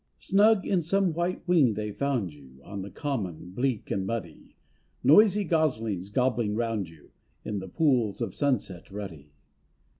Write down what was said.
Snug in some white wing they found you, On the Common bleak and muddy, Noisy goslings gobbling round you In the pools of sunset, ruddy.